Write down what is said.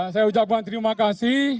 saya ucapkan terima kasih